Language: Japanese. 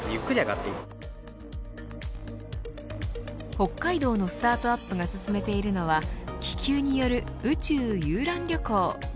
北海道のスタートアップが進めているのは気球による宇宙遊覧旅行。